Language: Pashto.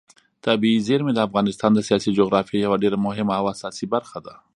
طبیعي زیرمې د افغانستان د سیاسي جغرافیې یوه ډېره مهمه او اساسي برخه ده.